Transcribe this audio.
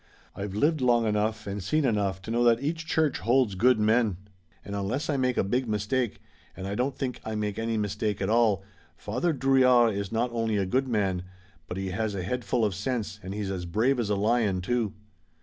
I've lived long enough and seen enough to know that each church holds good men, and unless I make a big mistake, and I don't think I make any mistake at all, Father Drouillard is not only a good man, but he has a head full of sense and he's as brave as a lion, too."